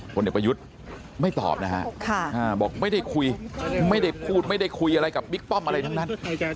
เด็กประยุทธ์ไม่ตอบนะฮะบอกไม่ได้คุยไม่ได้พูดไม่ได้คุยอะไรกับบิ๊กป้อมอะไรทั้งนั้น